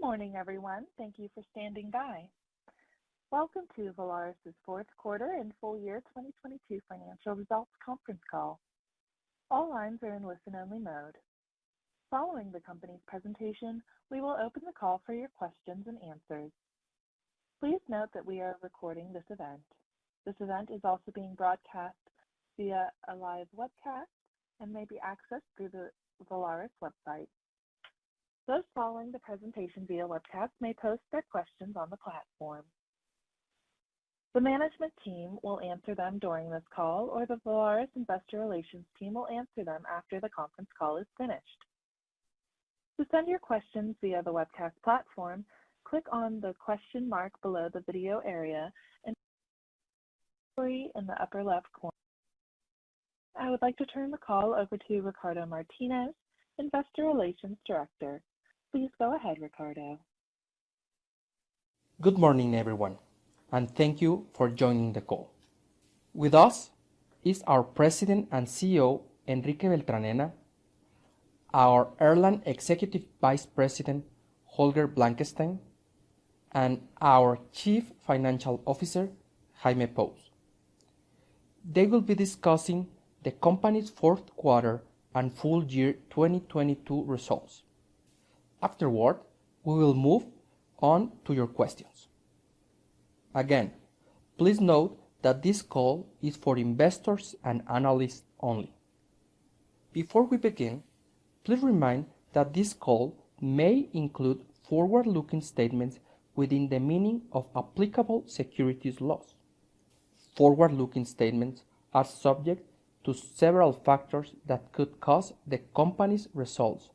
Good morning, everyone. Thank you for standing by. Welcome to Volaris's fourth quarter and full year 2022 financial results conference call. All lines are in listen-only mode. Following the company's presentation, we will open the call for your questions and answers. Please note that we are recording this event. This event is also being broadcast via a live webcast and may be accessed through the Volaris website. Those following the presentation via webcast may post their questions on the platform. The management team will answer them during this call, or the Volaris investor relations team will answer them after the conference call is finished. To send your questions via the webcast platform, click on the question mark below the video area and three in the upper left corner. I would like to turn the call over to Ricardo Martinez, Investor Relations Director. Please go ahead, Ricardo. Good morning, everyone, thank you for joining the call. With us is our President and CEO, Enrique Beltranena, our Executive Vice President, Holger Blankenstein, and our Chief Financial Officer, Jaime Pous. They will be discussing the company's Q4 and full year 2022 results. Afterward, we will move on to your questions. Again, please note that this call is for investors and analysts only. Before we begin, please remind that this call may include forward-looking statements within the meaning of applicable securities laws. Forward-looking statements are subject to several factors that could cause the company's results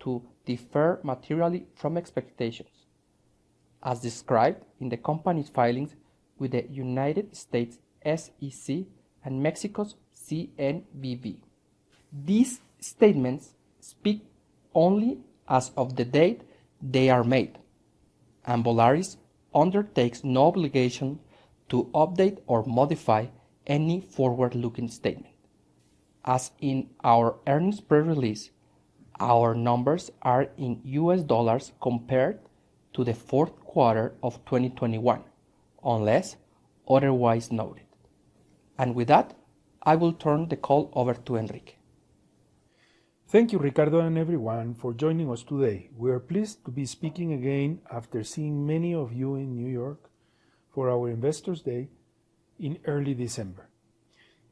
to differ materially from expectations, as described in the company's filings with the United States SEC and Mexico's CNBV. These statements speak only as of the date they are made, Volaris undertakes no obligation to update or modify any forward-looking statement. As in our earnings press release, our numbers are in US dollars compared to the fourth quarter of 2021, unless otherwise noted. With that, I will turn the call over to Enrique. Thank you, Ricardo, and everyone for joining us today. We are pleased to be speaking again after seeing many of you in New York for our Investors Day in early December.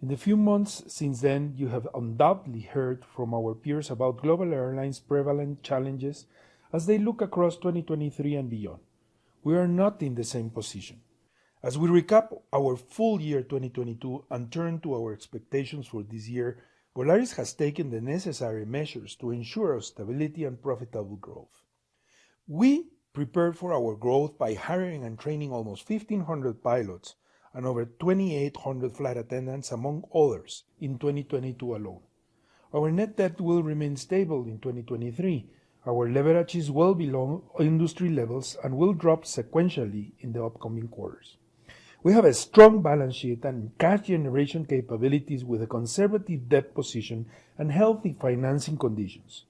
In the few months since then, you have undoubtedly heard from our peers about global airlines' prevalent challenges as they look across 2023 and beyond. We are not in the same position. As we recap our full year 2022 and turn to our expectations for this year, Volaris has taken the necessary measures to ensure our stability and profitable growth. We prepared for our growth by hiring and training almost 1,500 pilots and over 2,800 flight attendants, among others, in 2022 alone. Our net debt will remain stable in 2023. Our leverage is well below industry levels and will drop sequentially in the upcoming quarters. We have a strong balance sheet and cash generation capabilities with a conservative debt position and healthy financing conditions.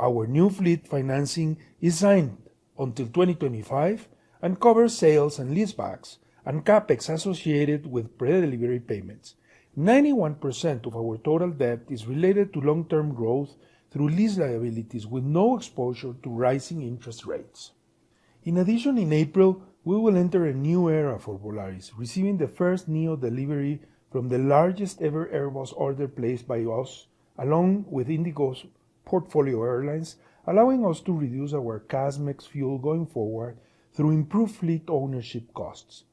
Our new fleet financing is signed until 2025 and covers sales and leasebacks and CapEx associated with pre-delivery payments. 91% of our total debt is related to long-term growth through lease liabilities with no exposure to rising interest rates. In addition, in April, we will enter a new era for Volaris, receiving the first neo delivery from the largest ever Airbus order placed by us, along with Indigo's portfolio airlines, allowing us to reduce our CASM fuel going forward through improved fleet ownership costs.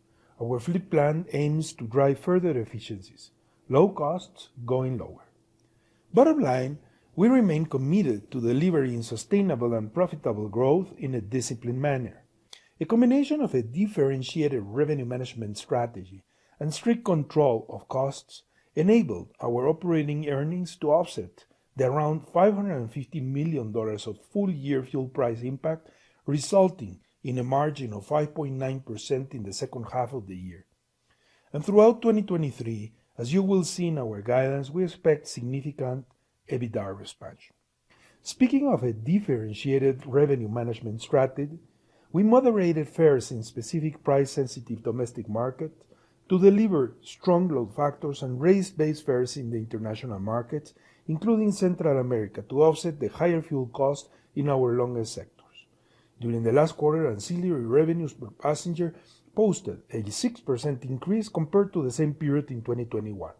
Our fleet plan aims to drive further efficiencies, low costs going lower. Bottom line, we remain committed to delivering sustainable and profitable growth in a disciplined manner. A combination of a differentiated revenue management strategy and strict control of costs enabled our operating earnings to offset the around $550 million of full year fuel price impact, resulting in a margin of 5.9% in the second half of the year. Throughout 2023, as you will see in our guidance, we expect significant EBITDA expansion. Speaking of a differentiated revenue management strategy, we moderated fares in specific price-sensitive domestic markets to deliver strong load factors and raised base fares in the international markets, including Central America, to offset the higher fuel costs in our longest sectors. During the last quarter, ancillary revenues per passenger posted a 6% increase compared to the same period in 2021.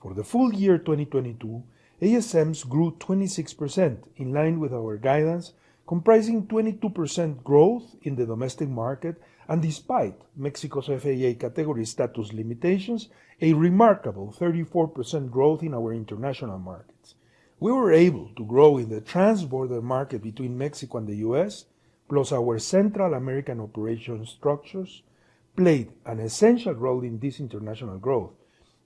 For the full year 2022, ASMs grew 26%, in line with our guidance, comprising 22% growth in the domestic market, and despite Mexico's FAA category status limitations, a remarkable 34% growth in our international markets. We were able to grow in the transborder market between Mexico and the U.S., plus our Central American operation structures played an essential role in this international growth,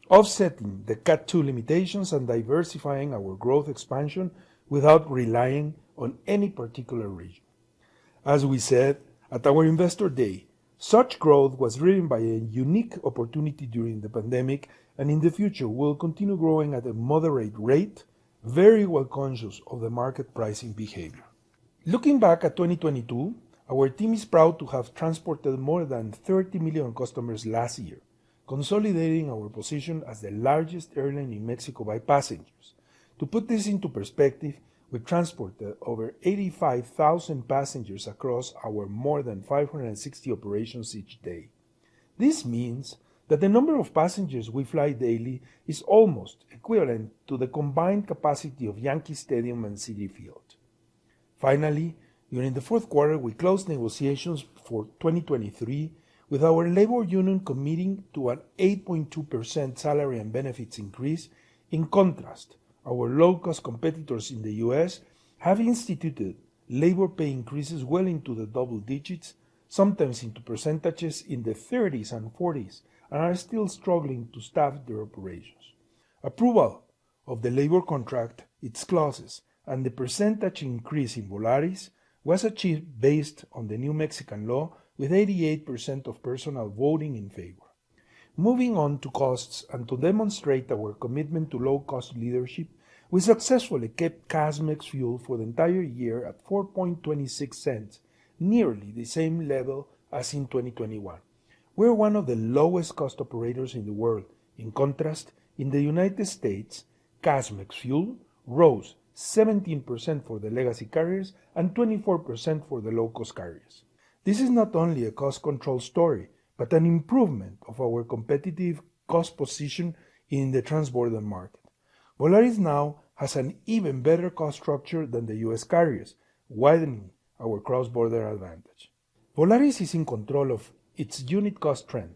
offsetting the Cat 2 limitations and diversifying our growth expansion without relying on any particular region. As we said at our Investor Day. Such growth was driven by a unique opportunity during the pandemic, and in the future will continue growing at a moderate rate, very well conscious of the market pricing behavior. Looking back at 2022, our team is proud to have transported more than 30 million customers last year, consolidating our position as the largest airline in Mexico by passengers. To put this into perspective, we transported over 85,000 passengers across our more than 560 operations each day. This means that the number of passengers we fly daily is almost equivalent to the combined capacity of Yankee Stadium and Citi Field. Finally, during the fourth quarter, we closed negotiations for 2023 with our labor union committing to an 8.2% salary and benefits increase. In contrast, our low-cost competitors in the U.S. have instituted labor pay increases well into the double digits, sometimes into percentages in the 30s and 40s, and are still struggling to staff their operations. Approval of the labor contract, its clauses, and the percentage increase in Volaris was achieved based on the new Mexican law with 88% of personnel voting in favor. Moving on to costs to demonstrate our commitment to low-cost leadership, we successfully kept CASM ex-fuel for the entire year at $0.0426, nearly the same level as in 2021. We are one of the lowest cost operators in the world. In contrast, in the United States, CASM ex-fuel rose 17% for the legacy carriers and 24% for the low-cost carriers. This is not only a cost control story, but an improvement of our competitive cost position in the transborder market. Volaris now has an even better cost structure than the U.S. carriers, widening our cross-border advantage. Volaris is in control of its unit cost trend.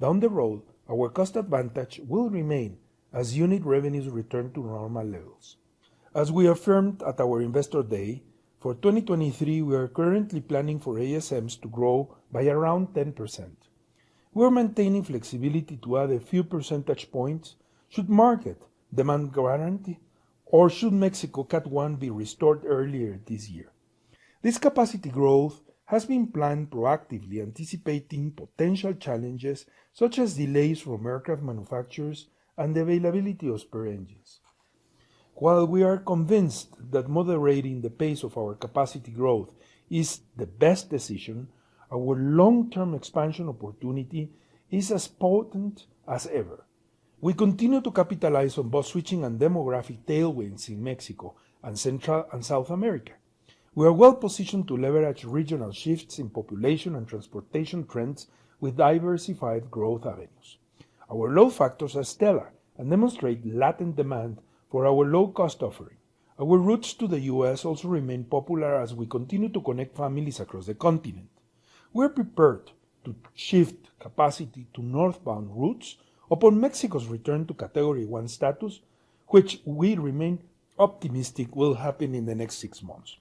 Down the road, our cost advantage will remain as unit revenues return to normal levels. As we affirmed at our Investor Day, for 2023, we are currently planning for ASMs to grow by around 10%. We are maintaining flexibility to add a few percentage points should market demand guarantee or should Mexico CAT-1 be restored earlier this year. This capacity growth has been planned proactively anticipating potential challenges such as delays from aircraft manufacturers and the availability of spare engines. While we are convinced that moderating the pace of our capacity growth is the best decision, our long-term expansion opportunity is as potent as ever. We continue to capitalize on bus switching and demographic tailwinds in Mexico and Central and South America. We are well-positioned to leverage regional shifts in population and transportation trends with diversified growth avenues. Our load factors are stellar and demonstrate latent demand for our low-cost offering. Our routes to the U.S. also remain popular as we continue to connect families across the continent. We are prepared to shift capacity to northbound routes upon Mexico's return to Category 1 status, which we remain optimistic will happen in the next six months.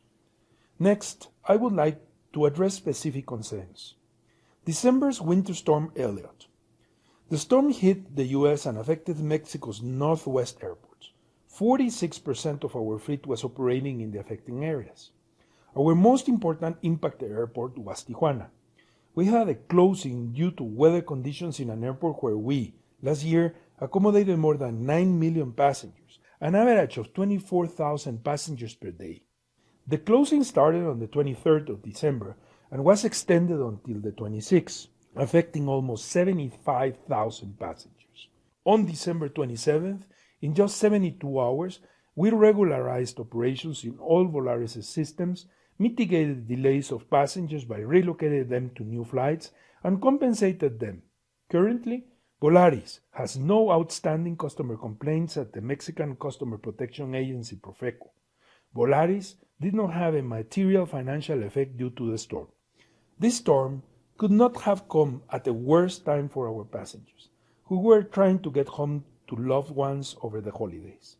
Next, I would like to address specific concerns. December's Winter Storm Elliott. The storm hit the U.S. and affected Mexico's Northwest airports. 46% of our fleet was operating in the affected areas. Our most important impacted airport was Tijuana. We had a closing due to weather conditions in an airport where we, last year, accommodated more than 9 million passengers, an average of 24,000 passengers per day. The closing started on the 23rd of December and was extended until the 26th, affecting almost 75,000 passengers. On December 27th, in just 72 hours, we regularized operations in all Volaris' systems, mitigated delays of passengers by relocating them to new flights, and compensated them. Currently, Volaris has no outstanding customer complaints at the Mexican Customer Protection Agency, PROFECO. Volaris did not have a material financial effect due to the storm. This storm could not have come at a worse time for our passengers, who were trying to get home to loved ones over the holidays.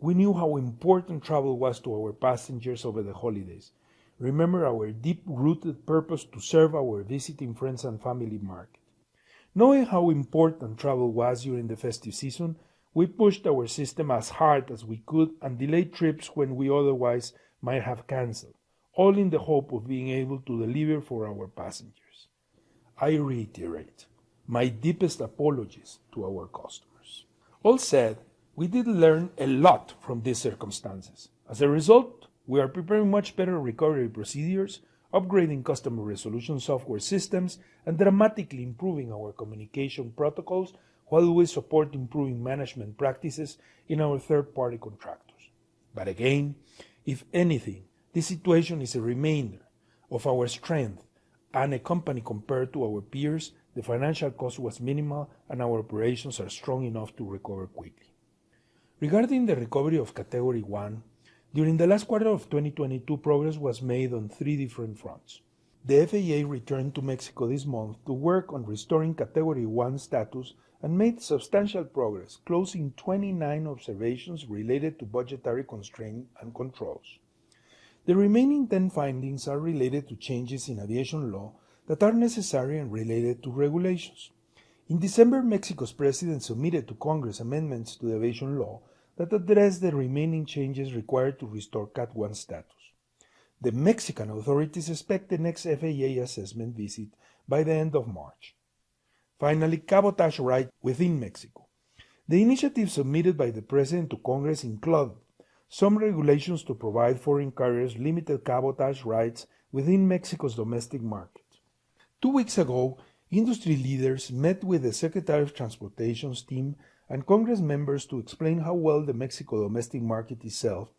We knew how important travel was to our passengers over the holidays. Remember our deep-rooted purpose to serve our visiting friends and family market. Knowing how important travel was during the festive season, we pushed our system as hard as we could and delayed trips when we otherwise might have canceled, all in the hope of being able to deliver for our passengers. I reiterate my deepest apologies to our customers. All said, we did learn a lot from these circumstances. As a result, we are preparing much better recovery procedures, upgrading customer resolution software systems, and dramatically improving our communication protocols, while we support improving management practices in our third-party contractors. Again, if anything, this situation is a reminder of our strength, and a company compared to our peers, the financial cost was minimal, and our operations are strong enough to recover quickly. Regarding the recovery of Category 1, during the last quarter of 2022, progress was made on three different fronts. The FAA returned to Mexico this month to work on restoring Category 1 status and made substantial progress, closing 29 observations related to budgetary constraints and controls. The remaining 10 findings are related to changes in aviation law that are necessary and related to regulations. In December, Mexico's president submitted to Congress amendments to the aviation law that addressed the remaining changes required to restore CAT-1 status. The Mexican authorities expect the next FAA assessment visit by the end of March. Finally, cabotage right within Mexico. The initiative submitted by the President to Congress include some regulations to provide foreign carriers limited cabotage rights within Mexico's domestic market. Two weeks ago, industry leaders met with the Secretary of Transportation's team and Congress members to explain how well the Mexico domestic market is served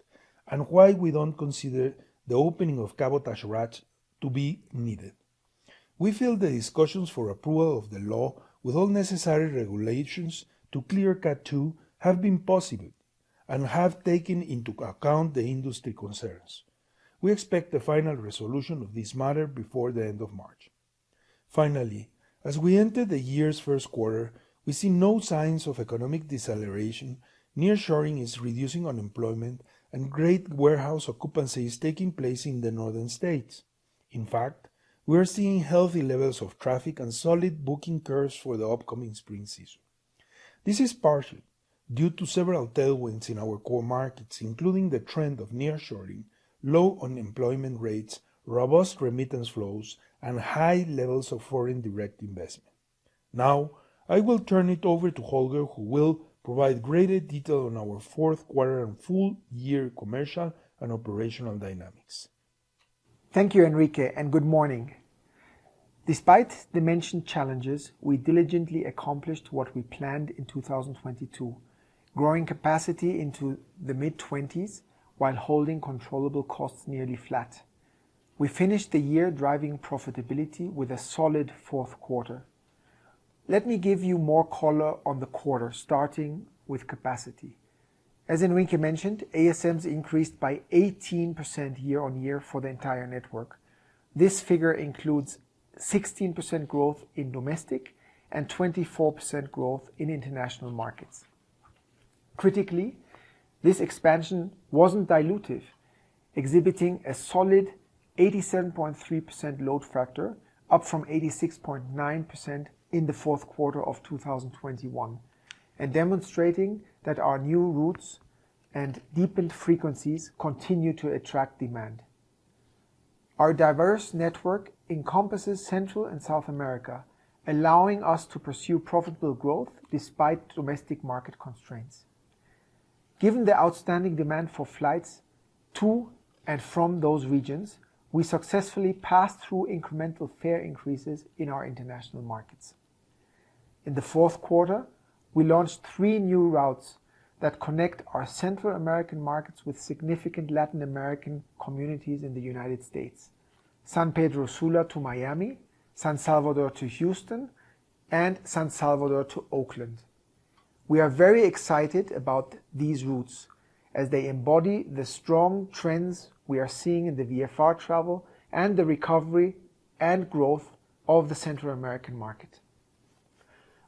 and why we don't consider the opening of cabotage routes to be needed. We feel the discussions for approval of the law with all necessary regulations to clear CAT-2 have been positive and have taken into account the industry concerns. We expect the final resolution of this matter before the end of March. Finally, as we enter the year's first quarter, we see no signs of economic deceleration. Nearshoring is reducing unemployment, and great warehouse occupancy is taking place in the northern states. In fact, we are seeing healthy levels of traffic and solid booking curves for the upcoming spring season. This is partially due to several tailwinds in our core markets, including the trend of nearshoring, low unemployment rates, robust remittance flows, and high levels of foreign direct investment. Now, I will turn it over to Holger, who will provide greater detail on our fourth quarter and full year commercial and operational dynamics. Thank you, Enrique. Good morning. Despite the mentioned challenges, we diligently accomplished what we planned in 2022, growing capacity into the mid-twenties while holding controllable costs nearly flat. We finished the year driving profitability with a solid fourth quarter. Let me give you more color on the quarter, starting with capacity. As Enrique mentioned, ASMs increased by 18% year-over-year for the entire network. This figure includes 16% growth in domestic and 24% growth in international markets. Critically, this expansion wasn't dilutive, exhibiting a solid 87.3% load factor, up from 86.9% in the fourth quarter of 2021, and demonstrating that our new routes and deepened frequencies continue to attract demand. Our diverse network encompasses Central and South America, allowing us to pursue profitable growth despite domestic market constraints. Given the outstanding demand for flights to and from those regions, we successfully passed through incremental fare increases in our international markets. In the fourth quarter, we launched three new routes that connect our Central American markets with significant Latin American communities in the United States: San Pedro Sula to Miami, San Salvador to Houston, and San Salvador to Oakland. We are very excited about these routes as they embody the strong trends we are seeing in the VFR travel and the recovery and growth of the Central American market.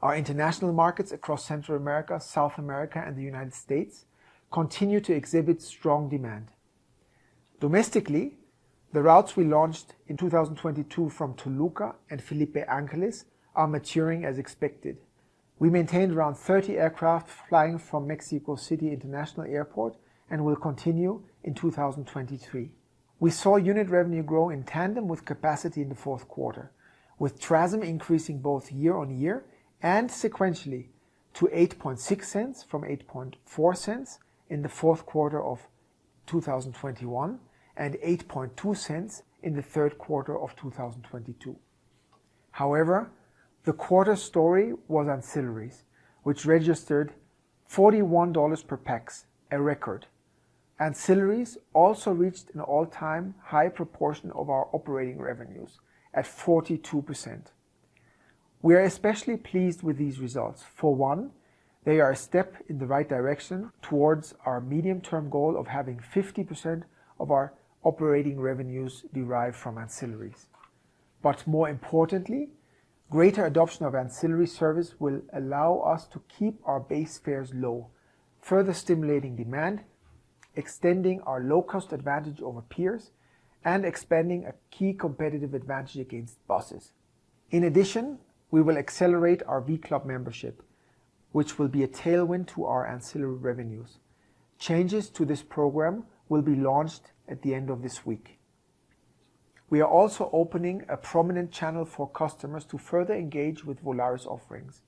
Our international markets across Central America, South America, and the United States continue to exhibit strong demand. Domestically, the routes we launched in 2022 from Toluca and Felipe Ángeles are maturing as expected. We maintained around 30 aircraft flying from Mexico City International Airport and will continue in 2023. We saw unit revenue grow in tandem with capacity in the fourth quarter, with TRASM increasing both year-on-year and sequentially to $0.086 from $0.084 in the fourth quarter of 2021, and $0.082 in the third quarter of 2022. The quarter story was ancillaries, which registered $41 per pax, a record. Ancillaries also reached an all-time high proportion of our operating revenues at 42%. We are especially pleased with these results. For one, they are a step in the right direction towards our medium-term goal of having 50% of our operating revenues derived from ancillaries. More importantly, greater adoption of ancillary service will allow us to keep our base fares low, further stimulating demand, extending our low-cost advantage over peers, and expanding a key competitive advantage against buses. In addition, we will accelerate our v.club membership, which will be a tailwind to our ancillary revenues. Changes to this program will be launched at the end of this week. We are also opening a prominent channel for customers to further engage with Volaris offerings.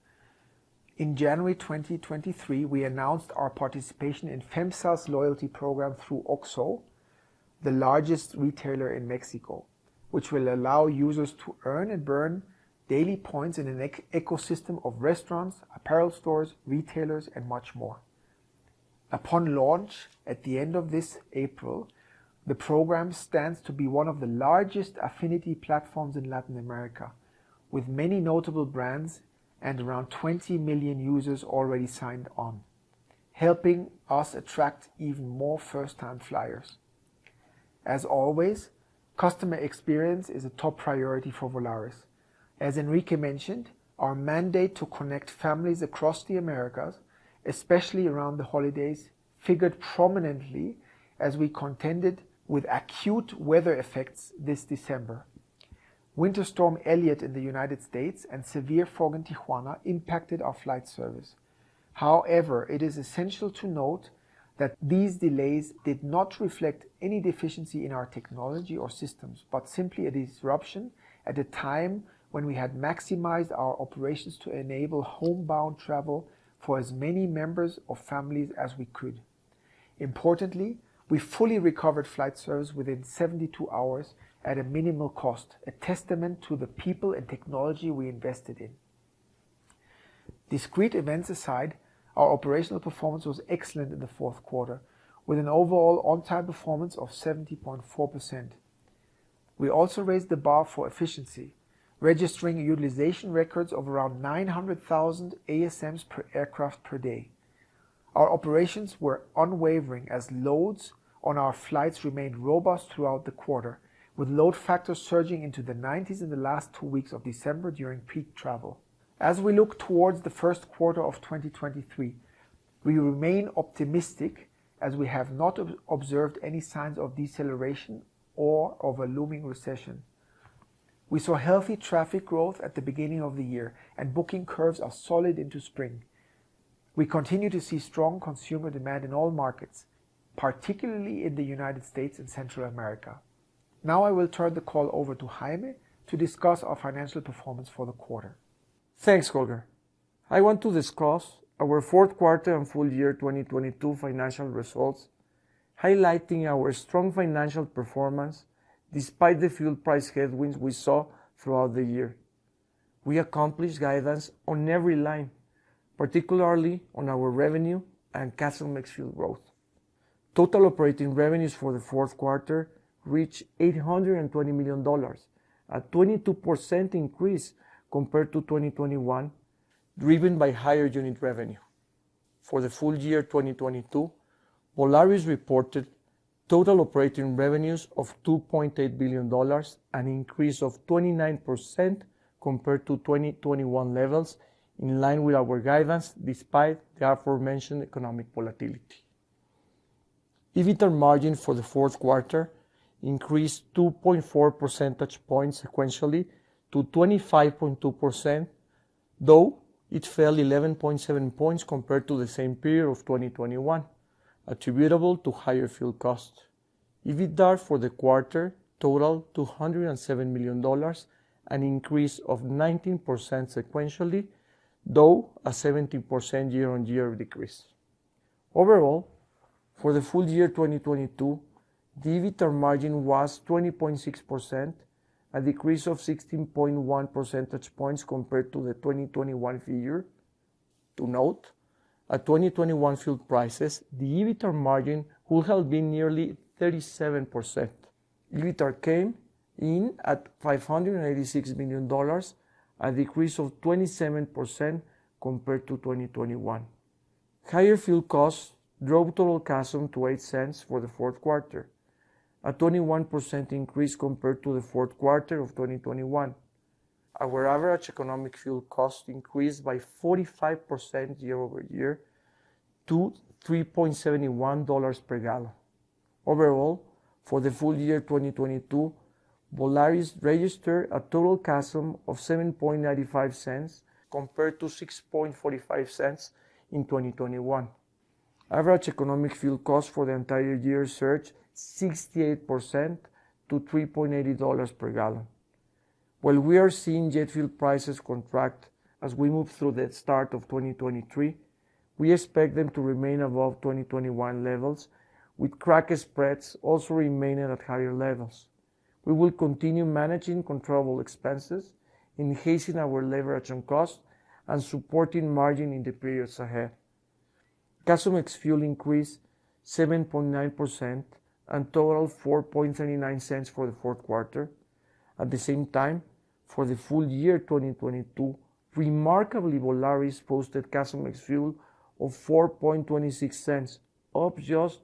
In January 2023, we announced our participation in Femsa's loyalty program through OXXO, the largest retailer in Mexico, which will allow users to earn and burn daily points in an ecosystem of restaurants, apparel stores, retailers, and much more. Upon launch at the end of this April, the program stands to be one of the largest affinity platforms in Latin America, with many notable brands and around 20 million users already signed on, helping us attract even more first-time flyers. As always, customer experience is a top priority for Volaris. As Enrique mentioned, our mandate to connect families across the Americas, especially around the holidays, figured prominently as we contended with acute weather effects this December. Winter Storm Elliott in the United States and severe fog in Tijuana impacted our flight service. It is essential to note that these delays did not reflect any deficiency in our technology or systems, but simply a disruption at a time when we had maximized our operations to enable homebound travel for as many members of families as we could. We fully recovered flight service within 72 hours at a minimal cost, a testament to the people and technology we invested in. Discrete events aside, our operational performance was excellent in the fourth quarter, with an overall on-time performance of 70.4%. We also raised the bar for efficiency, registering utilization records of around 900,000 ASMs per aircraft per day. Our operations were unwavering as loads on our flights remained robust throughout the quarter, with load factors surging into the nineties in the last two weeks of December during peak travel. We look towards the first quarter of 2023, we remain optimistic as we have not observed any signs of deceleration or of a looming recession. We saw healthy traffic growth at the beginning of the year, booking curves are solid into spring. We continue to see strong consumer demand in all markets, particularly in the United States and Central America. I will turn the call over to Jaime to discuss our financial performance for the quarter. Thanks, Holger. I want to discuss our fourth quarter and full year 2022 financial results, highlighting our strong financial performance despite the fuel price headwinds we saw throughout the year. We accomplished guidance on every line, particularly on our revenue and CASM ex-fuel growth. Total operating revenues for the fourth quarter reached $820 million, a 22% increase compared to 2021, driven by higher unit revenue. For the full year 2022, Volaris reported total operating revenues of $2.8 billion, an increase of 29% compared to 2021 levels, in line with our guidance despite the aforementioned economic volatility. EBITA margin for the fourth quarter increased 2.4 percentage points sequentially to 25.2%, though it fell 11.7 points compared to the same period of 2021, attributable to higher fuel costs. EBITDAR for the quarter totaled $207 million, an increase of 19% sequentially, though a 17% year-on-year decrease. Overall, for the full year 2022, the EBITA margin was 20.6%, a decrease of 16.1 percentage points compared to the 2021 figure. To note, at 2021 fuel prices, the EBITA margin would have been nearly 37%. EBITA came in at $586 million, a decrease of 27% compared to 2021. Higher fuel costs drove total CASM to $0.08 for the fourth quarter, a 21% increase compared to the fourth quarter of 2021. Our average economic fuel cost increased by 45% year-over-year to $3.71 per gallon. Overall, for the full year 2022, Volaris registered a total CASM of $0.0795 compared to $0.0645 in 2021. Average economic fuel cost for the entire year surged 68% to $3.80 per gallon. While we are seeing jet fuel prices contract as we move through the start of 2023, we expect them to remain above 2021 levels, with crack spreads also remaining at higher levels. We will continue managing controllable expenses, enhancing our leverage on costs, and supporting margin in the periods ahead. CASM ex-fuel increased 7.9% and totaled $0.0439 for the fourth quarter. At the same time, for the full year 2022, remarkably, Volaris posted CASM ex-fuel of $0.0426, up just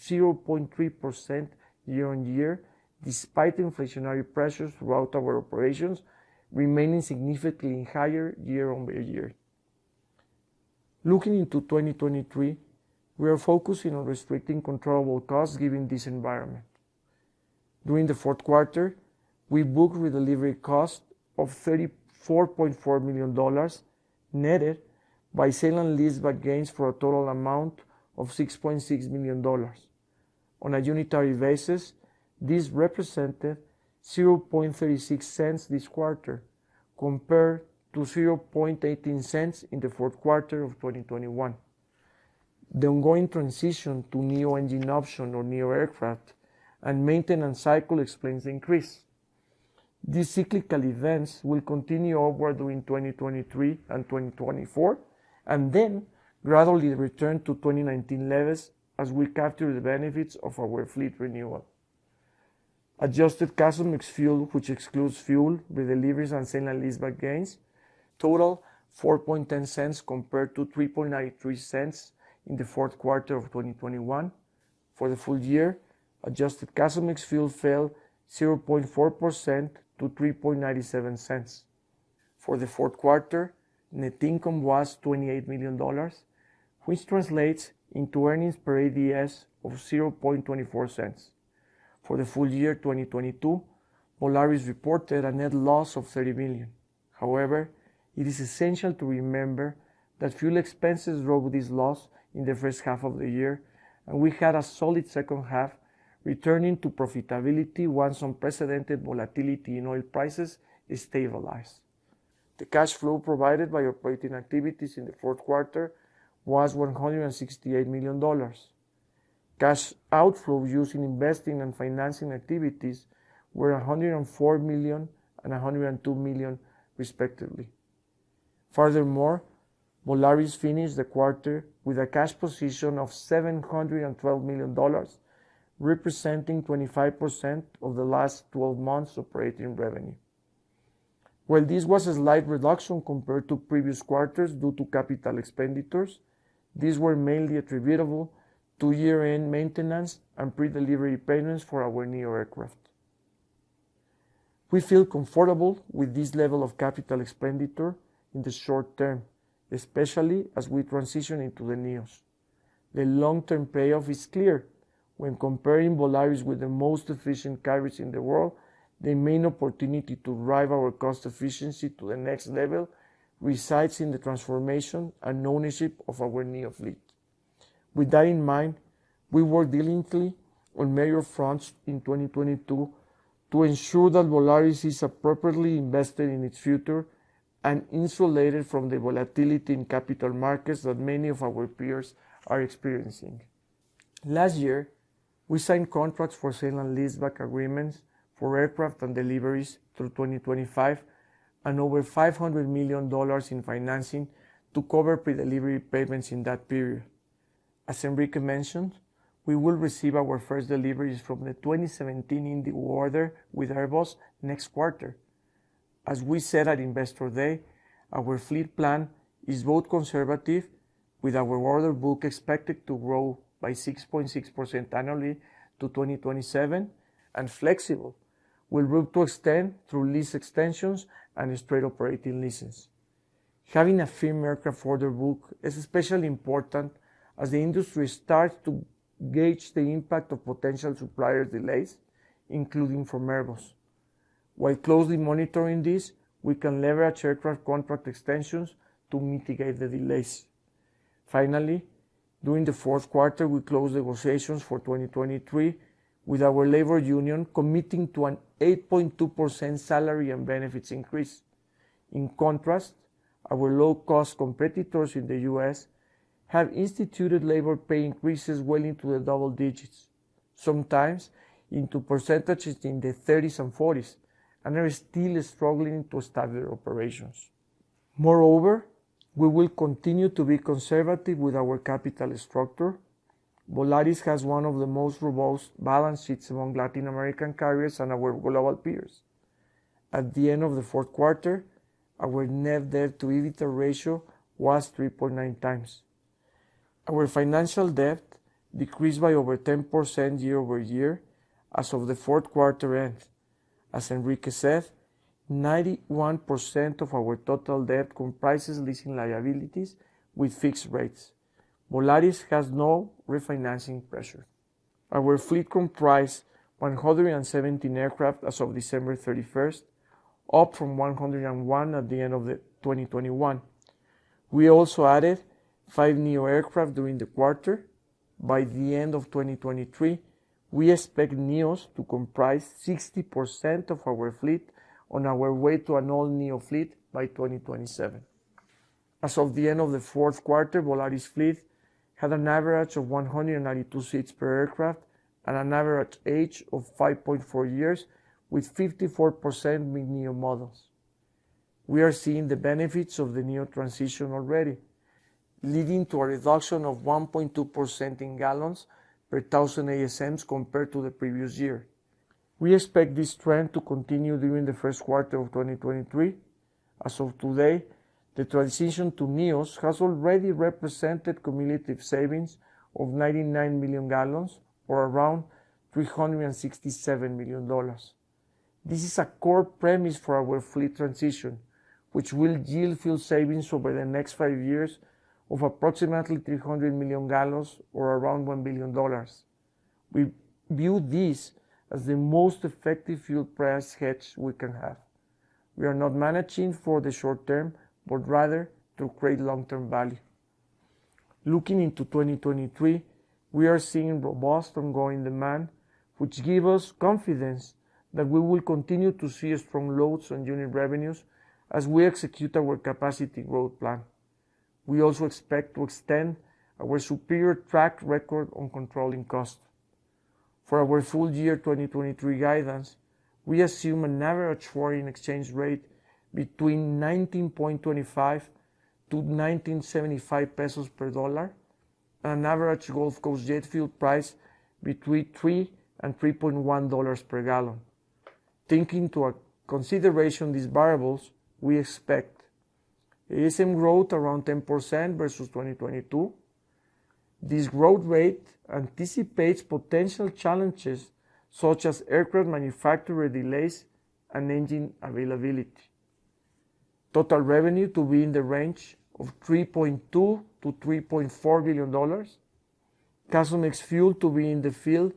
0.3% year-over-year, despite inflationary pressures throughout our operations remaining significantly higher year-over-year. Looking into 2023, we are focusing on restricting controllable costs given this environment. During the fourth quarter, we booked redelivery costs of $34.4 million, netted by sale and leaseback gains for a total amount of $6.6 million. On a unitary basis, this represented $0.0036 this quarter compared to $0.0018 in the fourth quarter of 2021. The ongoing transition to neo engine option or neo aircraft and maintenance cycle explains the increase. These cyclical events will continue onward during 2023 and 2024, and then gradually return to 2019 levels as we capture the benefits of our fleet renewal. Adjusted CASM ex-fuel, which excludes fuel, redeliveries, and sale and leaseback gains, totaled $0.0410 compared to $0.0393 in the fourth quarter of 2021. For the full year, adjusted CASM ex-fuel fell 0.4% to $0.0397. For the fourth quarter, net income was $28 million, which translates into earnings per ADS of $0.0024. For the full year 2022, Volaris reported a net loss of $30 million. It is essential to remember that fuel expenses drove this loss in the first half of the year, and we had a solid second half, returning to profitability once unprecedented volatility in oil prices stabilized. The cash flow provided by operating activities in the fourth quarter was $168 million. Cash outflow used in investing and financing activities were $104 million and $102 million respectively. Volaris finished the quarter with a cash position of $712 million, representing 25% of the last 12 months operating revenue. While this was a slight reduction compared to previous quarters due to capital expenditures, these were mainly attributable to year-end maintenance and pre-delivery payments for our neo aircraft. We feel comfortable with this level of capital expenditure in the short term, especially as we transition into the neos. The long-term payoff is clear. When comparing Volaris with the most efficient carriers in the world, the main opportunity to drive our cost efficiency to the next level resides in the transformation and ownership of our neo fleet. With that in mind, we worked diligently on major fronts in 2022 to ensure that Volaris is appropriately invested in its future and insulated from the volatility in capital markets that many of our peers are experiencing. Last year, we signed contracts for sale and leaseback agreements for aircraft and deliveries through 2025 and over $500 million in financing to cover pre-delivery payments in that period. As Enrique mentioned, we will receive our first deliveries from the 2017 Indie order with Airbus next quarter. As we said at Investor Day, our fleet plan is both conservative, with our order book expected to grow by 6.6% annually to 2027, and flexible. We look to extend through lease extensions and straight operating leases. eHaving a firm aircraft order book is especially important as the industry starts to gauge the impact of potential supplier delays, including from Airbus. While closely monitoring this, we can leverage aircraft contract extensions to mitigate the delays. Finally, during the fourth quarter, we closed negotiations for 2023, with our labor union committing to an 8.2% salary and benefits increase. In contrast, our low-cost competitors in the U.S. have instituted labor pay increases well into the double digits, sometimes into percentages in the thirties and forties, and are still struggling to establish operations. Moreover, we will continue to be conservative with our capital structure. Volaris has one of the most robust balance sheets among Latin American carriers and our global peers. At the end of the fourth quarter, our net debt-to-EBITDA ratio was 3.9x. Our financial debt decreased by over 10% year-over-year as of the fourth quarter end. As Enrique said, 91% of our total debt comprises leasing liabilities with fixed rates. Volaris has no refinancing pressure. Our fleet comprised 117 aircraft as of December 31st, up from 101 at the end of 2021. We also added 5 neo-aircraft during the quarter. By the end of 2023, we expect neos to comprise 60% of our fleet on our way to an all-neo fleet by 2027. As of the end of the fourth quarter, Volaris fleet had an average of 192 seats per aircraft and an average age of 5.4 years with 54% being neo models. We are seeing the benefits of the neo transition already, leading to a reduction of 1.2% in gallons per 1,000 ASMs compared to the previous year. We expect this trend to continue during the first quarter of 2023. As of today, the transition to neos has already represented cumulative savings of 99 million gallons or around $367 million. This is a core premise for our fleet transition, which will yield fuel savings over the next five years of approximately 300 million gallons or around $1 billion. We view this as the most effective fuel price hedge we can have. We are not managing for the short term, but rather to create long-term value. Looking into 2023, we are seeing robust ongoing demand, which give us confidence that we will continue to see strong loads on unit revenues as we execute our capacity growth plan. We also expect to extend our superior track record on controlling costs. For our full year 2023 guidance, we assume an average foreign exchange rate between 19.25-19.75 pesos per dollar and an average Gulf Coast jet fuel price between $3-$3.1 per gallon. Taking into consideration these variables, we expectASM growth around 10% versus 2022. This growth rate anticipates potential challenges such as aircraft manufacturer delays and engine availability. Total revenue to be in the range of $3.2 billion-$3.4 billion. CASM ex-fuel to be in the field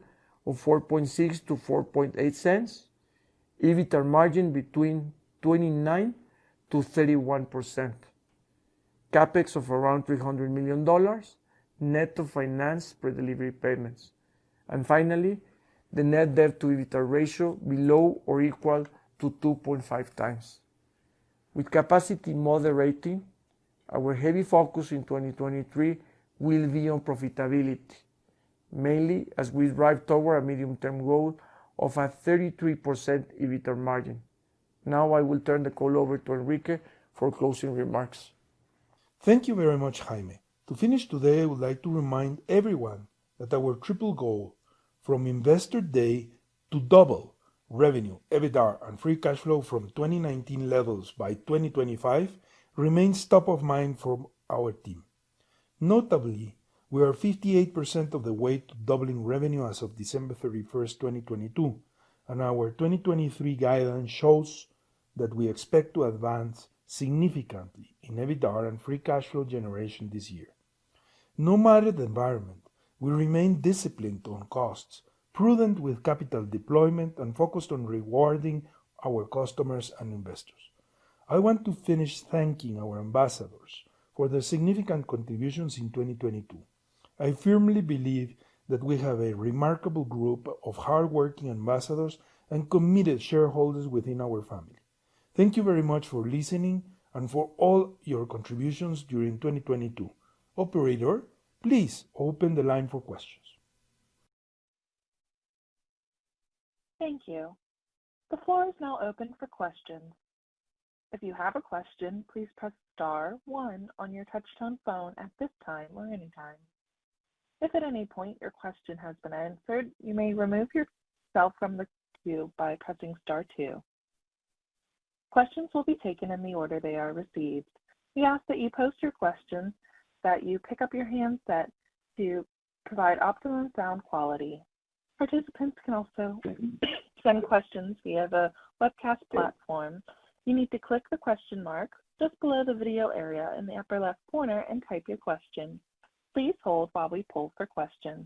of $0.046-$0.048. EBITA margin between 29%-31%. CapEx of around $300 million. Net of finance per delivery payments. Finally, the net debt-to-EBITA ratio below or equal to 2.5x. With capacity moderating, our heavy focus in 2023 will be on profitability, mainly as we drive toward a medium-term growth of a 33% EBITA margin. Now I will turn the call over to Enrique for closing remarks. Thank you very much, Jaime. To finish today, I would like to remind everyone that our triple goal from Investor Day to double revenue, EBITA, and free cash flow from 2019 levels by 2025 remains top of mind for our team. Notably, we are 58% of the way to doubling revenue as of December 31st, 2022, and our 2023 guidance shows that we expect to advance significantly in EBITA and free cash flow generation this year. No matter the environment, we remain disciplined on costs, prudent with capital deployment, and focused on rewarding our customers and investors. I want to finish thanking our ambassadors for their significant contributions in 2022. I firmly believe that we have a remarkable group of hardworking ambassadors and committed shareholders within our family. Thank you very much for listening and for all your contributions during 2022. Operator, please open the line for questions. Thank you. The floor is now open for questions. If you have a question, please press star one on your touch-tone phone at this time or anytime. If at any point your question has been answered, you may remove yourself from the queue by pressing star two. Questions will be taken in the order they are received. We ask that you post your questions, that you pick up your handset to provide optimum sound quality. Participants can also send questions via the webcast platform. You need to click the question mark just below the video area in the upper left corner and type your question. Please hold while we poll for questions.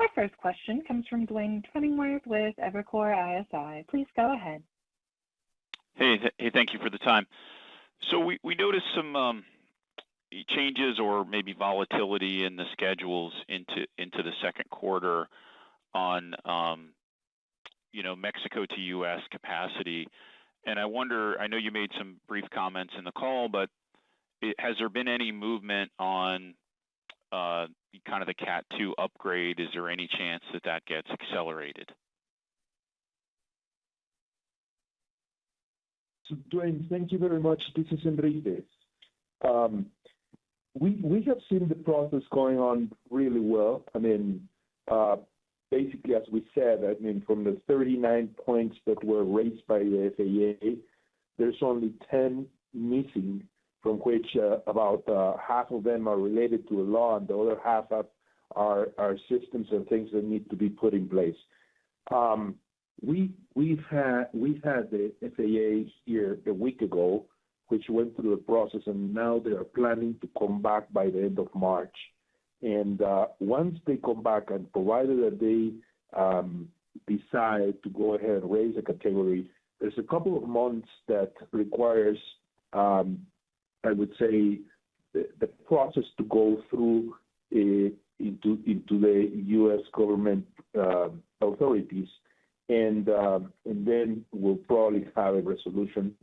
Our first question comes from Duane Pfennigwerth with Evercore ISI. Please go ahead. Hey, thank you for the time. We noticed some changes or maybe volatility in the schedules into the second quarter on, you know, Mexico to U.S. capacity. I wonder, I know you made some brief comments in the call, but it. Has there been any movement on, kind of the Cat 2 upgrade? Is there any chance that that gets accelerated? Duane, thank you very much. This is Enrique. We have seen the process going on really well. I mean, basically as we said, I mean, from the 39 points that were raised by the FAA, there's only 10 missing, from which, about half of them are related to law and the other half are systems and things that need to be put in place. We had the FAA here a week ago, which went through a process, and now they are planning to come back by the end of March. Once they come back, and provided that they decide to go ahead and raise the category, there's a couple of months that requires, I would say the process to go through into the U.S. government authorities. Then we'll probably have a resolution.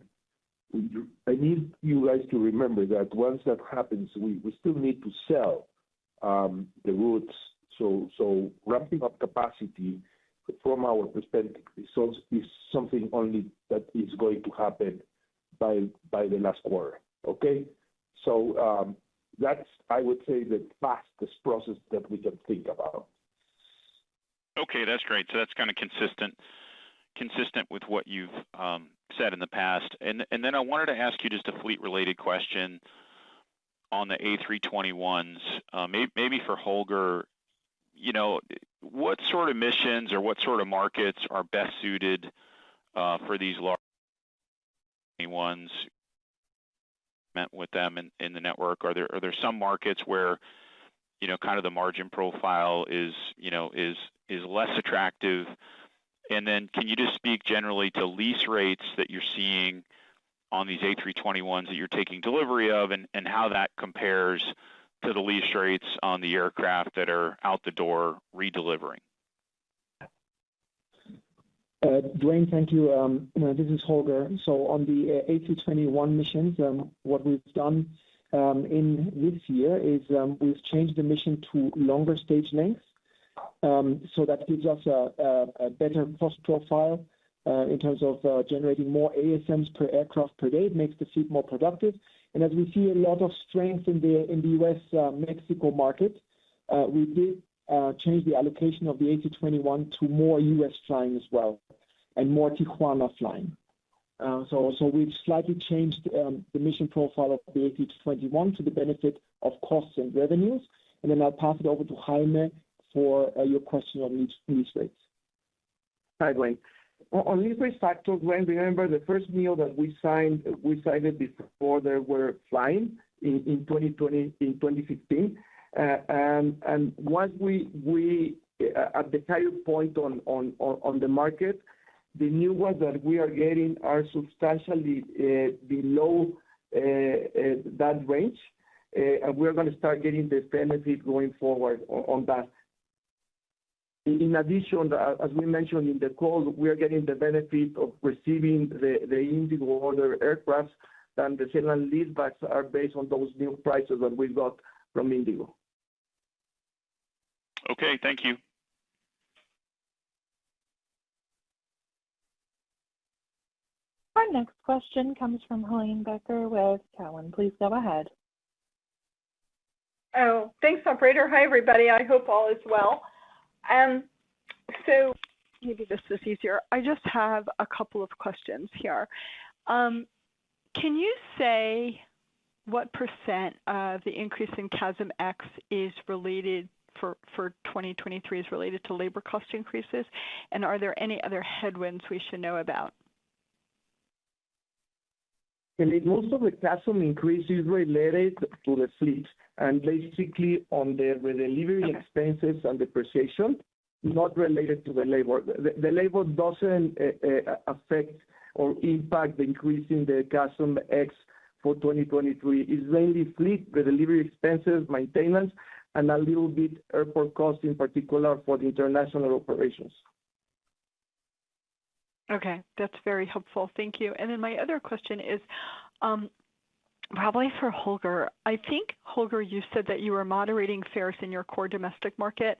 I need you guys to remember that once that happens, we still need to sell the routes. Ramping up capacity from our perspective is something only that is going to happen by the last quarter. Okay? That's I would say the fastest process that we can think about. Okay, that's great. That's kinda consistent with what you've said in the past. I wanted to ask you just a fleet-related question on the A321s. Maybe for Holger. You know, what sort of missions or what sort of markets are best suited for these large ones met with them in the network. Are there some markets where, you know, kind of the margin profile is, you know, is less attractive? Can you just speak generally to lease rates that you're seeing on these A321s that you're taking delivery of, and how that compares to the lease rates on the aircraft that are out the door redelivering? Duane, thank you. This is Holger. On the A321 missions, what we've done in this year is we've changed the mission to longer stage lengths, so that gives us a better cost profile in terms of generating more ASMs per aircraft per day. It makes the fleet more productive. As we see a lot of strength in the in the U.S. Mexico market. We did change the allocation of the A321 to more U.S. flying as well, and more Tijuana flying. We've slightly changed the mission profile of the A321 to the benefit of costs and revenues. I'll pass it over to Jaime for your question on lease rates. Jaime. On lease rate factors, Guilherme Ghembi, remember the first deal that we signed, we signed it before they were flying in 2015. Once we at the current point on the market, the new ones that we are getting are substantially below that range. We are going to start getting the benefit going forward on that. In addition, as we mentioned in the call, we are getting the benefit of receiving the Indigo order aircraft, and the sale and leasebacks are based on those new prices that we got from Indigo. Okay. Thank you. Our next question comes from Helane Becker with Cowen. Please go ahead. Oh, thanks, operator. Hi, everybody. I hope all is well. Maybe this is easier. I just have a couple of questions here. Can you say what % of the increase in CASM ex is related for 2023 is related to labor cost increases, and are there any other headwinds we should know about? Helane, most of the CASM increase is related to the fleet and basically on the redelivery expenses and depreciation, not related to the labor. The labor doesn't affect or impact the increase in the CASM ex for 2023. It's mainly fleet, redelivery expenses, maintenance, and a little bit airport costs in particular for the international operations. Okay. That's very helpful. Thank you. My other question is, probably for Holger. I think, Holger, you said that you were moderating fares in your core domestic market,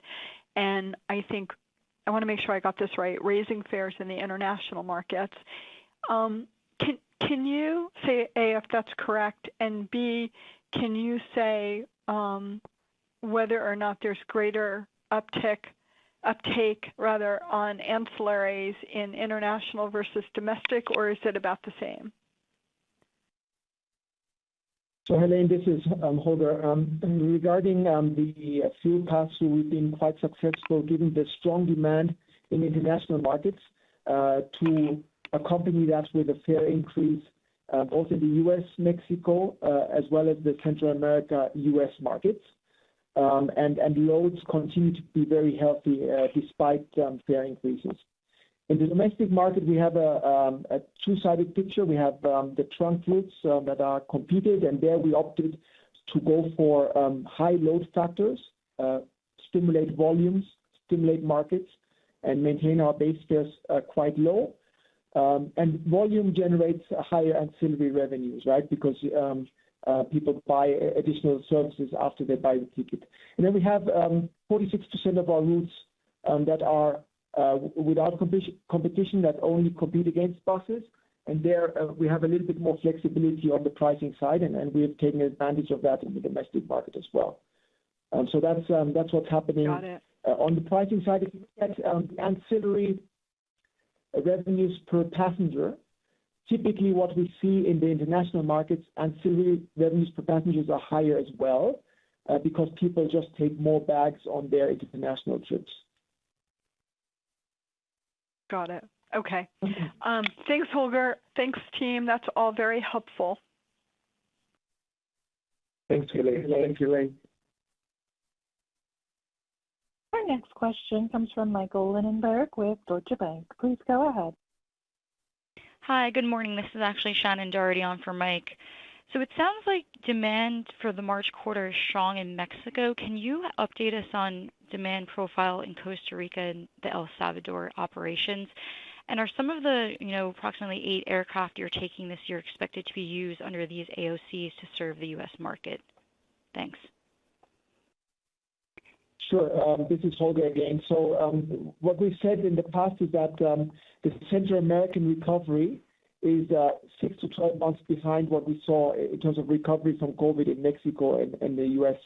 I want to make sure I got this right, raising fares in the international markets. Can you say, A, if that's correct, and B, can you say whether or not there's greater uptake rather on ancillaries in international versus domestic, or is it about the same? Helane, this is Holger. Regarding the fare pass, we've been quite successful given the strong demand in international markets, to accompany that with a fare increase, both in the US-Mexico, as well as the Central America-US markets. Loads continue to be very healthy, despite fare increases. In the domestic market, we have a two-sided picture. We have the trunk routes that are competed, and there we opted to go for high load factors, stimulate volumes, stimulate markets, and maintain our base fares quite low. Volume generates higher ancillary revenues, right? Because people buy additional services after they buy the ticket. We have 46% of our routes that are without competition, that only compete against buses. There, we have a little bit more flexibility on the pricing side, and we have taken advantage of that in the domestic market as well. That's what's happening. Got it. On the pricing side, if you get ancillary revenues per passenger, typically what we see in the international markets, ancillary revenues per passengers are higher as well, because people just take more bags on their international trips. Got it. Okay. Okay. Thanks, Holger. Thanks, team. That's all very helpful. Thanks, Helane. Thanks, Helane. Our next question comes from Michael Linenberg with Deutsche Bank. Please go ahead. Hi. Good morning. This is actually Shannon Doherty on for Mike. It sounds like demand for the March quarter is strong in Mexico. Can you update us on demand profile in Costa Rica and the El Salvador operations? Are some of the, you know, approximately eight aircraft you're taking this year expected to be used under these AOCs to serve the US market? Thanks. Sure. This is Holger again. What we've said in the past is that the Central American recovery is 6-12 months behind what we saw in terms of recovery from COVID in Mexico and the U.S.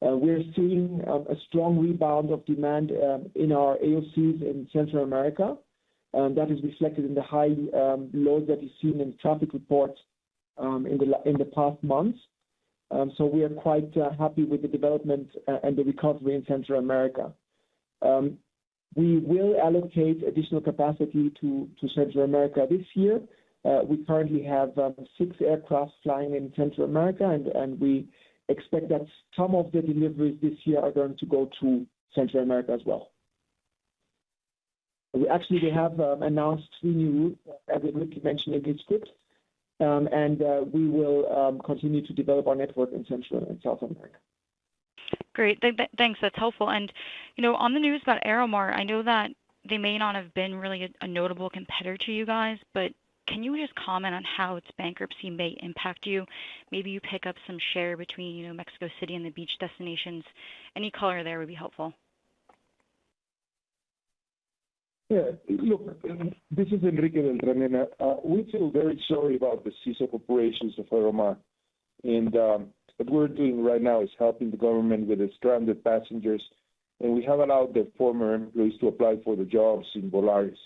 We're seeing a strong rebound of demand in our AOCs in Central America. That is reflected in the high loads that we've seen in traffic reports in the past months. We are quite happy with the development and the recovery in Central America. We will allocate additional capacity to Central America this year. We currently have six aircraft flying in Central America, and we expect that some of the deliveries this year are going to go to Central America as well. We actually have announced three new routes, as Enrique mentioned in his script. We will continue to develop our network in Central and South America. Great. Thanks. That's helpful. You know, on the news about Aeromar, I know that they may not have been really a notable competitor to you guys, can you just comment on how its bankruptcy may impact you? Maybe you pick up some share between, you know, Mexico City and the beach destinations. Any color there would be helpful. Yeah. Look, this is Enrique Beltranena. We feel very sorry about the cease of operations of Interjet. What we're doing right now is helping the government with its stranded passengers. We have allowed their former employees to apply for the jobs in Volaris,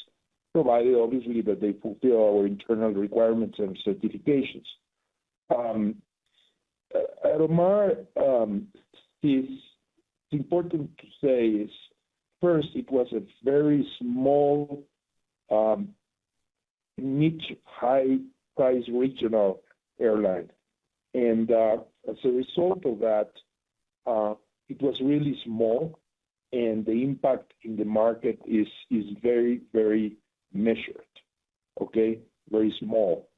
provided obviously that they fulfill our internal requirements and certifications. Interjet, it's important to say it was a very small niche, high price regional airline. As a result of that, it was really small and the impact in the market is very, very measured. Okay? Very small.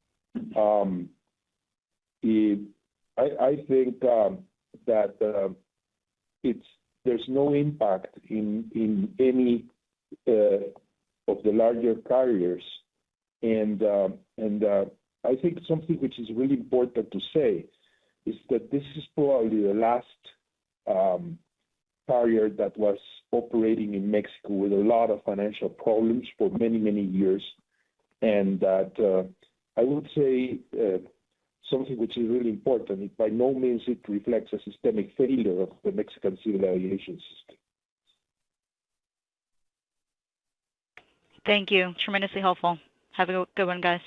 I think that there's no impact in any of the larger carriers. I think something which is really important to say is that this is probably the last carrier that was operating in Mexico with a lot of financial problems for many, many years. That, I would say, something which is really important, by no means it reflects a systemic failure of the Mexican civil aviation system. Thank you. Tremendously helpful. Have a good one, guys.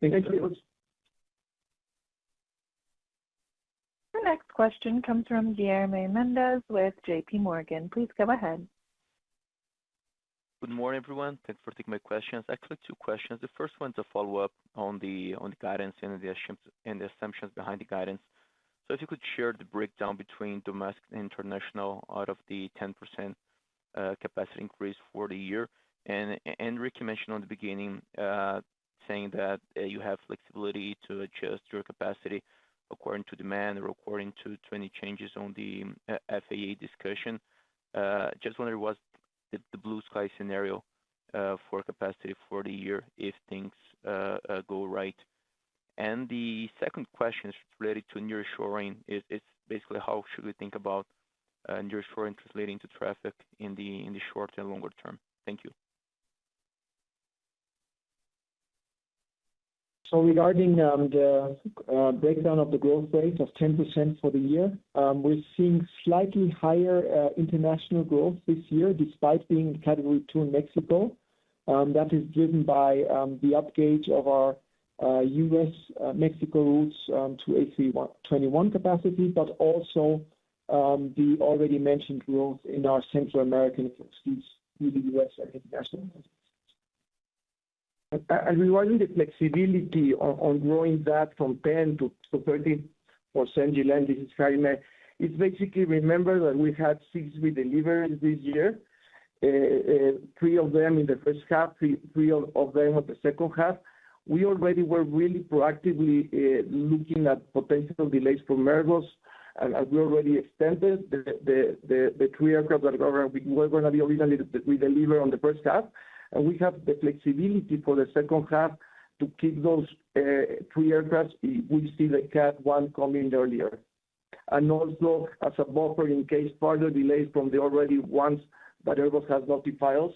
Thank you. The next question comes from Guilherme Mendes with JPMorgan. Please go ahead. Good morning, everyone. Thanks for taking my questions. Actually two questions. The first one to follow up on the guidance and the assumptions behind the guidance. If you could share the breakdown between domestic and international out of the 10% capacity increase for the year. Enrique mentioned on the beginning, saying that you have flexibility to adjust your capacity according to demand or according to any changes on the FAA discussion. Just wondering what's the blue-sky scenario for capacity for the year if things go right. The second question is related to nearshoring. It's basically how should we think about nearshoring translating to traffic in the short and longer term? Thank you. Regarding the breakdown of the growth rate of 10% for the year, we're seeing slightly higher international growth this year despite being Category 2 in Mexico. That is driven by the upgauge of our U.S. Mexico routes to A321 capacity, but also the already mentioned growth in our Central American seats through the U.S. and international. Regarding the flexibility on growing that from 10% to 30%, Guilherme, this is Jaime. It's basically remember that we had six we delivered this year. Three of them in the first half, three of them on the second half. We already were really proactively looking at potential delays from Airbus, as we already extended the three aircraft that were gonna be originally we deliver on the first half. We have the flexibility for the second half to keep those three aircraft if we see the Category 1 coming earlier. Also as a buffer in case further delays from the already ones that Airbus has notified us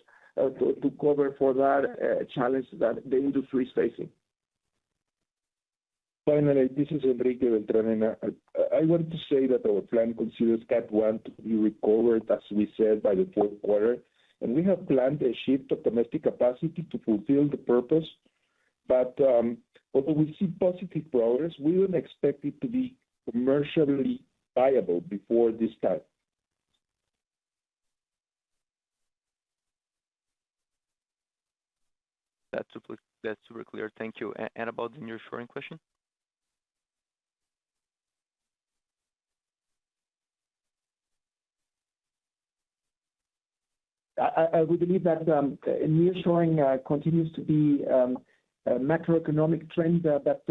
to cover for that challenge that the industry is facing. This is Enrique Beltranena. I wanted to say that our plan considers Category 1 to be recovered, as we said, by the fourth quarter. We have planned a shift of domestic capacity to fulfill the purpose. Although we see positive progress, we wouldn't expect it to be commercially viable before this time. That's super clear. Thank you. About the nearshoring question? We believe that nearshoring continues to be a macroeconomic trend that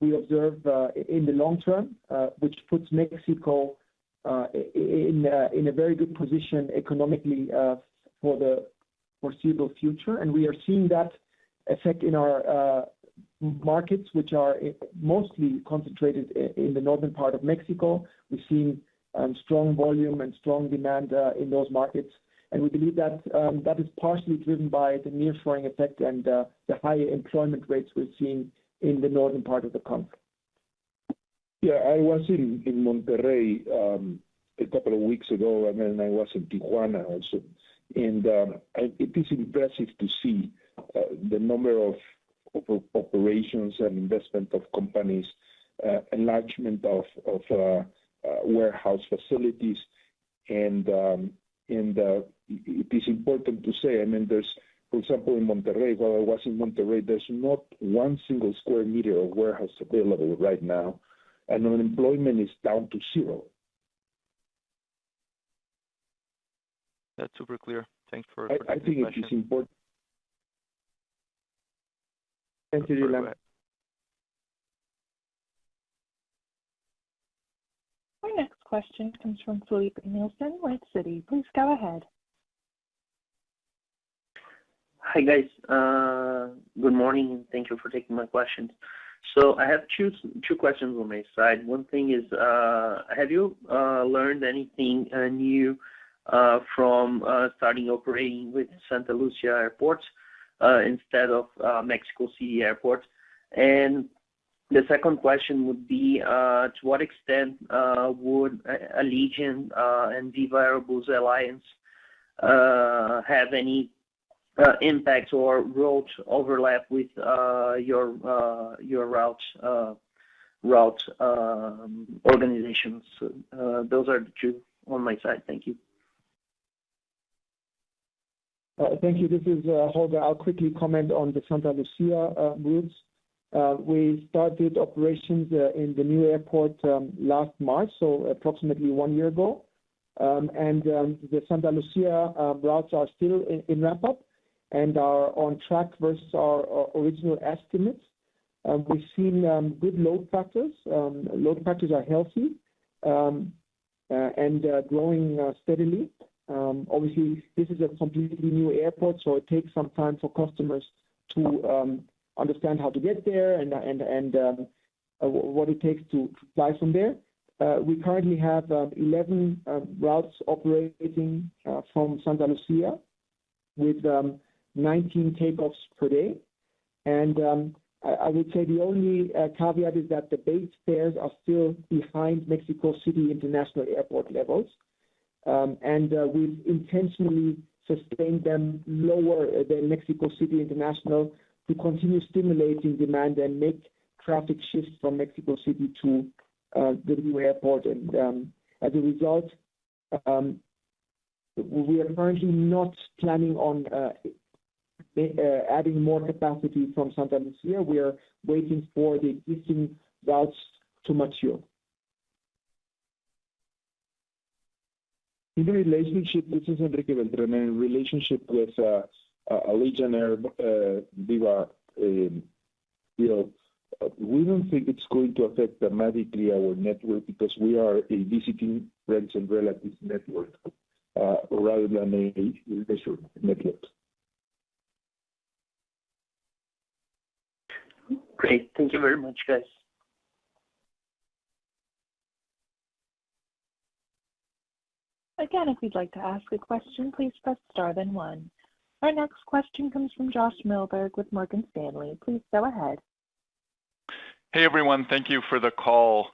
we observe in the long term, which puts Mexico in a very good position economically for the foreseeable future. We are seeing that effect in our markets, which are mostly concentrated in the northern part of Mexico. We've seen strong volume and strong demand in those markets. We believe that that is partially driven by the nearshoring effect and the higher employment rates we're seeing in the northern part of the country. Yeah. I was in Monterrey a couple of weeks ago. Then I was in Tijuana also. It is impressive to see the number of operations and investment of companies, enlargement of warehouse facilities. It is important to say, I mean, there's. For example, in Monterrey, while I was in Monterrey, there's not one single square meter of warehouse available right now. Unemployment is down to zero. That's super clear. Thanks for the question. I think it is important- Thank you, Guilherme. Our next question comes from Stephen Trent with Citi. Please go ahead. Hi, guys. Good morning, and thank you for taking my questions. I have two questions on my side. One thing is, have you learned anything new from starting operating with Santa Lucia Airport instead of Mexico City Airport? The second question would be, to what extent would Allegiant and Viva Aerobus alliance have any impact or route overlap with your your routes, route organizations? Those are the two on my side. Thank you. Thank you. This is Holger. I'll quickly comment on the Santa Lucia routes. We started operations in the new airport last March, so approximately one year ago. The Santa Lucia routes are still in ramp-up and are on track versus our original estimates. We've seen good load factors. Load factors are healthy and growing steadily. Obviously this is a completely new airport, so it takes some time for customers to understand how to get there and what it takes to fly from there. We currently have 11 routes operating from Santa Lucia with 19 takeoffs per day. I would say the only caveat is that the base fares are still behind Mexico City International Airport levels. We've intentionally sustained them lower than Mexico City International to continue stimulating demand and make traffic shifts from Mexico City to the new airport. As a result, we are currently not planning on adding more capacity from Santa Lucia. We are waiting for the existing routes to mature. This is Enrique Beltranena. In relationship with Allegiant Air, Viva, you know, we don't think it's going to affect dramatically our network because we are a visiting friends and relatives network, rather than a leisure network. Great. Thank you very much, guys. Again, if you'd like to ask a question, please press star then one. Our next question comes from Josh Milberg with Morgan Stanley. Please go ahead. Hey, everyone. Thank you for the call.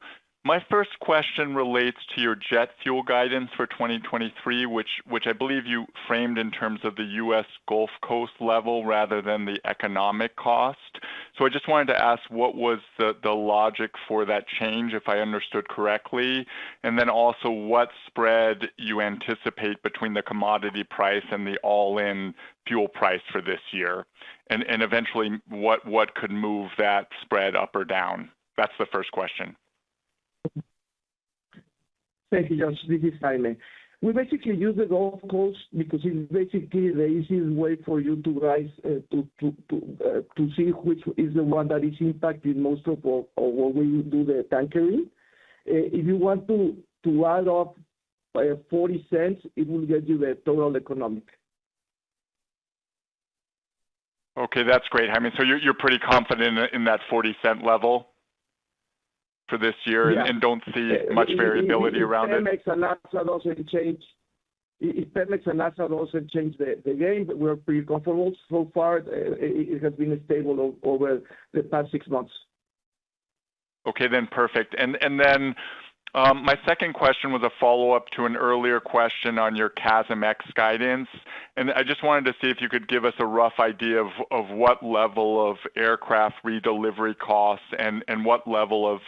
My first question relates to your jet fuel guidance for 2023, which I believe you framed in terms of the US Gulf Coast level rather than the economic cost. I just wanted to ask, what was the logic for that change, if I understood correctly, and then also what spread you anticipate between the commodity price and the all-in fuel price for this year, and eventually what could move that spread up or down? That's the first question. Thank you, Josh. This is Jaime. We basically use the Gulf Coast because it is basically the easiest way for you to rise to see which is the one that is impacting most of what we do the tankering. If you want to add up $0.40, it will get you the total economic. Okay, that's great, Jaime. You're pretty confident in that $0.40 level for this year? Yeah. Don't see much variability around it? If Pemex and ASA doesn't change the game, we're pretty comfortable. So far, it has been stable over the past six months. Okay then. Perfect. Then, my second question was a follow-up to an earlier question on your CASM-ex guidance. I just wanted to see if you could give us a rough idea of what level of aircraft redelivery costs and what level of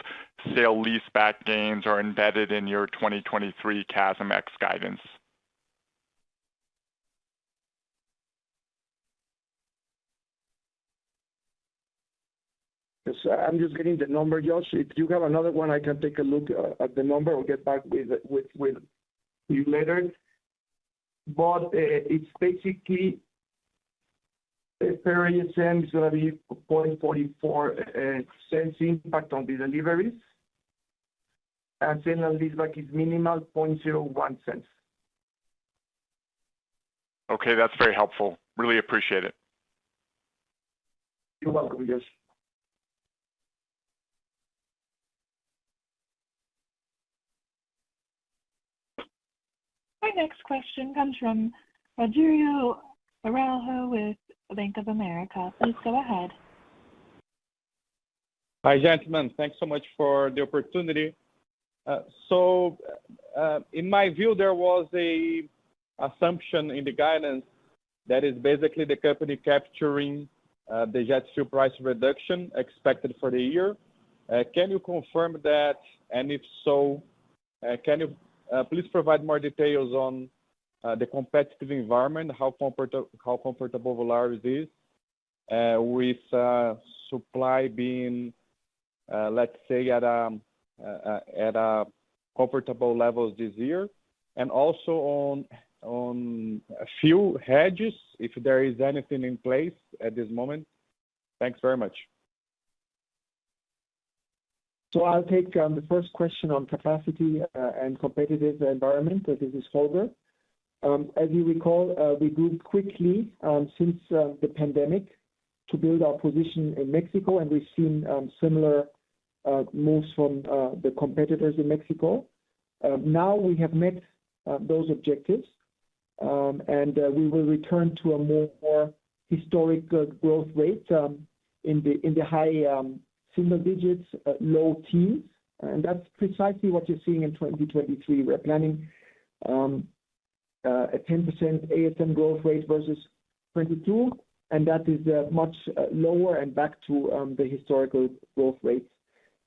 sale leaseback gains are embedded in your 2023 CASM-ex guidance. Yes, I'm just getting the number, Josh. If you have another one, I can take a look at the number. I'll get back with you later. It's basically a fair assumption it's gonna be $0.44 impact on the deliveries, and sale and leaseback is minimal $0.01. Okay. That's very helpful. Really appreciate it. You're welcome, Josh. Our next question comes from Rodrigo Araujo with Bank of America. Please go ahead. Hi, gentlemen. Thanks so much for the opportunity. So, in my view, there was a assumption in the guidance that is basically the company capturing, the jet fuel price reduction expected for the year. Can you confirm that? If so, can you please provide more details on the competitive environment, how comfortable Volaris is with supply being, let's say at a comfortable levels this year, and also on fuel hedges, if there is anything in place at this moment. Thanks very much. I'll take the first question on capacity and competitive environment that is disclosure. As you recall, we grew quickly since the pandemic to build our position in Mexico, and we've seen similar moves from the competitors in Mexico. Now we have met those objectives, and we will return to a more historic growth rate in the high single digits, low teens. That's precisely what you're seeing in 2023. We're planning a 10% ASM growth rate versus 22, and that is much lower and back to the historical growth rates.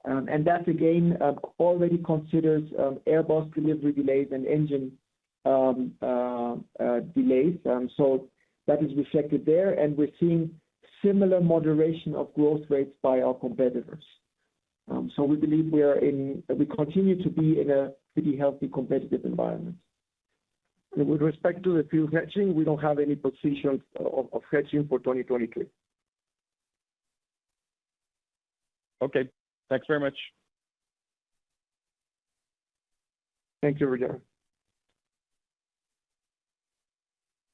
That again already considers Airbus delivery delays and engine delays. That is reflected there, and we're seeing similar moderation of growth rates by our competitors. We continue to be in a pretty healthy competitive environment. With respect to the fuel hedging, we don't have any positions of hedging for 2023. Okay. Thanks very much. Thank you, Rodrigo.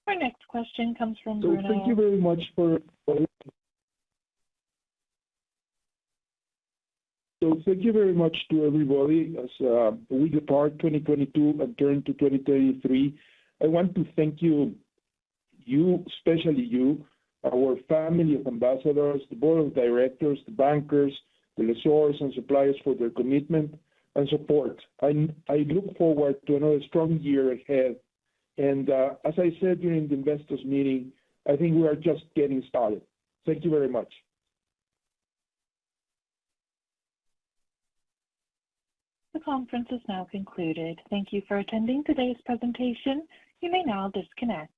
Our next question comes from Bruno. Thank you very much to everybody. As we depart 2022 and turn to 2023, I want to thank you, especially you, our family of ambassadors, the board of directors, the bankers, the lessors and suppliers for their commitment and support. I look forward to another strong year ahead. As I said during the investors meeting, I think we are just getting started. Thank you very much. The conference is now concluded. Thank you for attending today's presentation. You may now disconnect.